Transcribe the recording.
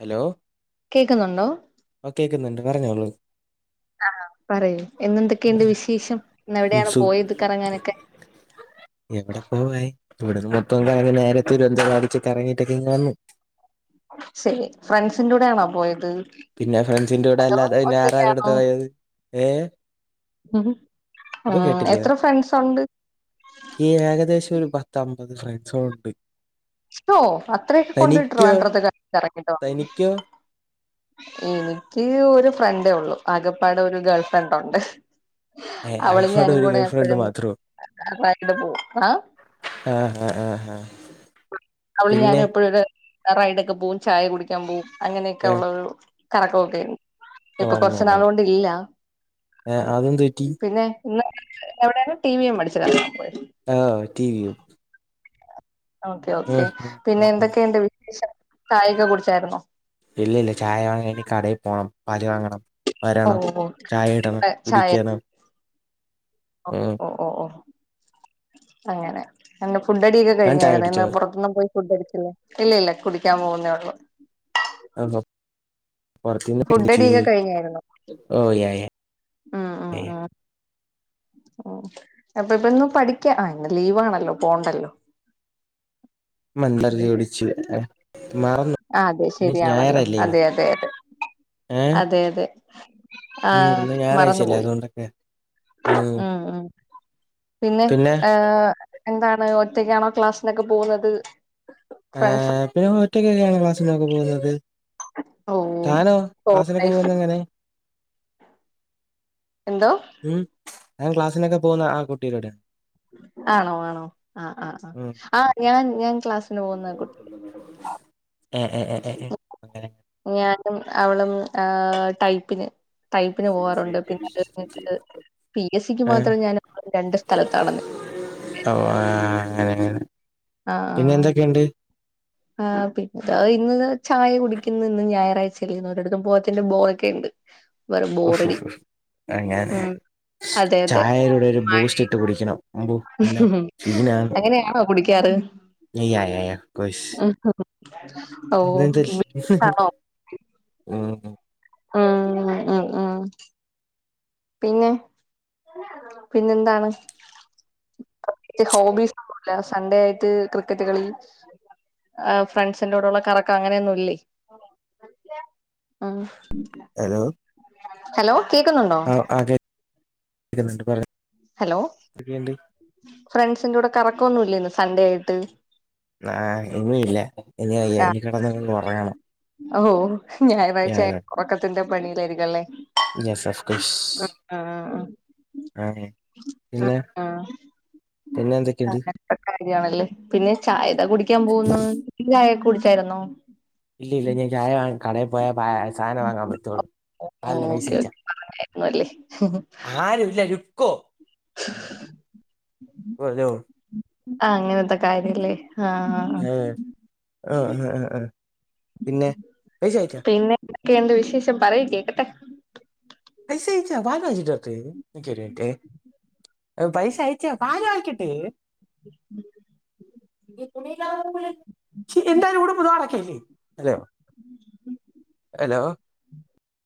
Hello കേക്കുന്നുണ്ടോ ആ കേക്ക്ന്ന്ണ്ട് പറഞ്ഞോളൂ ആഹ പറയൂ ആ, ഇന്ന്ന്തൊക്കെയുണ്ട് വിശേഷം ഇന്ന് ഉം, എവിടെയാണ് സു പോയത് കറങ്ങാനൊക്കെ [inaudible] എവിടെ പോവാൻ ഇവിടന്ന് മൊത്തം കറങ്ങി നേര തിരുവൻന്തപുരത്ത് കറങ്ങിട്ടൊക്കെ ഇങ്ങ്‌ വന്ന് ശെരി ഫ്രണ്ട്സിന്റൂടെയാണോ പോയത് പിന്നെ ഫ്രണ്ട്സിന്റൂടെ അതോ അല്ലാതെ പിന്നെ ഒറ്റക്കാണോ വേറാരട്ത്ത് പോയത് ഏ ഉം കേട്ടില്ല എത്ര ഫ്രണ്ട്സ് ഉണ്ട് ഈ ഏകദേശം ഒരു പത്തമ്പത് ഫ്രൺ സോട്ട് ഓ അത്രയൊക്കെ കൊണ്ട് ഡ്രിവാണ്ട്റത്തൊക്കെ കറങ്ങി ട്ട് വന്നോ തനിക്കോ എനിക്ക് ഒരു ഫ്രണ്ടേ ഒള്ളു ആകെപ്പാടെ ഒരു ഗേൾഫ്രണ്ടാെണ്ട് ഏ അവളും ആകപ്പാടെ ഞാനും ഒരു കൂടെ ഗേൾ ഫ്രണ്ട് എപ്പോഴും മാത്രമോ ബാക്കില് പോകും ആ ആഹ ആഹ അവളും ഞാനും എപ്പഴും ഒരു റൈഡാെക്കെ പോവും ചായ കുടിക്കാൻ പോവും അങ്ങനെയൊക്കെ ഏ ഉള്ളൊരു കറക്കൊക്കേണ് ഓ ഇപ്പൊ അങ്ങനെ കൊറച്ച്നാളൊണ്ട് ഇല്ല ഏ അതും തെറ്റി പിന്നെ ഇന്ന് എവിടെയാണ് ടി വി എം അടിച്ച് കറങ്ങാൻ ആ ടി വിയും ഓക്കെ ഓക്കെ ഉം ഉം പിന്നെ ഉം ഉം എന്തൊക്കെയ്ണ്ട് വിശേഷം ചായൊക്കെ കുടിച്ചായിര്ന്നോ ഇല്ല ഇല്ല ചായ വാങ്ങാൻ ഇനി കടയിൽ പോണം പാല് വാങ്ങണം ഓ വരണം ഓ ചായ ഇടണം ഇവിടെ ചായ കുടിക്കണം ഉം ഓ ഓ ഓ അങ്ങനെ എ ഫുഡടിയൊക്കെ താൻ ചായ കഴിഞ്ഞായിര്ന്നു കുടിച്ചോ ഇന്ന് പുറത്ത്ന്ന് പോയി ഫുഡടിച്ചില്ലെ ഇല്ലില്ല കുടിക്കാൻ പോകുന്നെ ഒള്ളു ആന്നോ പൊറത്തിന്ന് [unintelligible] ടിച്ച് ഫുഡടിയൊക്കെ കഴിഞ്ഞായിരുന്നോ ഓ യായാ യാ ഓ അപ്പൊ ഇപ്പന്ന് പഠിക്കാൻ ഇന്ന് ലീവ് ആണല്ലോ പോണ്ടല്ലോ [inaudible] [unintelligible] മറന്നു അതെ ഇന്ന് ശരിയാണല്ലോ ഞായറല്ലയോ അതെ അതെ അതെ ഏഹ് അതെ അതെ ആ ഉം ഇന്ന് ഞായറാഴ്ച്ചല്ലേ മറന്നുപോയി അതുകൊണ്ടൊക്കെ ഉം ഉം പിന്നെ ഏ എന്താണ് ഒറ്റയ്ക്കാണോ ക്ലാസ്സിനൊക്കെ പോകുന്നത് എ ഫ്രണ്ട്സ് പിന്നെ ഒറ്റക്കൊക്കെയാണ് ക്ലാസ്സിനൊക്കെ പോകുന്നത് ഓ താനോ സോളോ കാസിലൊക്കെ ലൈഫ് പോകുന്നേ എങ്ങനെ എന്തോ ഞാൻ ക്ലാസിനൊക്കെ പോകുന്ന ആ കുട്ടിടെ ആണോ ആണോ ആ ആ ആ ഉം ആ ഞാൻ ഞാൻ ക്ലാസ് ഏഹ് ഏഹ് ഏഹ് ഏഹ് ഏഹ് അങ്ങനെ ഞാനും അവളും ആ ടൈപ്പിന് ടൈപ്പിന് പോവാറുണ്ട് പിന്നെ അതെപ്പോലത്തെ പി എസിക്ക് ഏഹ് മാത്രം ഞാനിപ്പം രണ്ട് സ്ഥലത്താണെന്ന് ഓ ആ അങ്ങനെങ്ങെനെ ആ പിന്നെ എന്തൊക്കെയുണ്ട് ആ പി ഇന്ന് ചായ കുടിക്കുന്ന് ഇന്ന് ഞായറാഴ്ച ഒരിടുത്തും പോവാത്തിന്റെ ബോറക്കെ ഉണ്ട് വേറെ ഉഫ് ബോറടി ഉഫ് ഉഫ് അങ്ങനെ ഉ അതെ അതെ ചായയുടെ ഒരു മഴ ബൂസ്റ്റ് ഇട്ട് കുടിക്കണം അമ്പു പിന്നെ അങ്ങനെയാണോ കുടിക്കാറ് [inaudible] യാ യാ കോഴ്സ് ഉം. ഓ ആണോ [unintelligible] ആ ആ ആ പിന്നെ പിന്നെന്താണ് ഹോബിസ് ഒന്നൂല്ല സൺഡേ ആയിട്ട് ക്രിക്കറ്റ് കളി ആ ഫ്രണ്ട്സിന്റെടുള്ള കറക്കം അങ്ങനെയൊന്നും ഇല്ലേ ഹാ ഹാ ഹലോ ഹലോ കേക്കുന്നുണ്ടോ ന്നുണ്ട് പറ ഹലോ ഫ്രണ്ട്സിന്റെടെ കറക്കൊന്നുല്ലേ സൺഡേ ആയിട്ട് ആ ഇനി ഇല്ല ഇനി വയ്യ ആ ഇനി കിടന്നങ്ങ് ഉറങ്ങണം ഓ യാ ഞായറാഴ്ച യാ ഉറക്കത്തിന്റെ പണിയിലായിരിക്കല്ലേ യെസ് ഓഫ് കോഴ്സ് ആഹ് ആ പിന്നെ പിന്നെ എന്തൊക്കെയുണ്ട് കാര്യണല്ലേ പിന്നെ ചായക്കെ കുടിക്കാൻ പോകുന്നു കുടിച്ചായിരുന്നോ ഇല്ല ഇല്ല ഞാൻ ചായ കടയ പോയാ സാധനം വാങ്ങാൻ പറ്റുള്ളൂ പാലിന്റെ പൈസ ഓക്കെ കയിച്ച ഓക്കെ പറഞ്ഞായിരുന്നു അല്ലേ ആരുല്ല രുക്കോ [unintelligible] ആ അങ്ങനെത്തെ കാര്യല്ലേ ആ ആ ഏ, ആ ആ ആ പിന്നെ പൈസ അയച്ചാ പിന്നെ എന്തൊക്കെയുണ്ട് വിശേഷം പറയും കേക്കട്ടെ പൈസ അയച്ച് താ പാല് മേടിച്ചിട്ട് വരട്ടെ നിക്ക് ഒരു മിനിറ്റെ പൈസ അയച്ച് താ പാല് വാങ്ങികേട്ട് [unintelligible] [inaudible] ഹലോ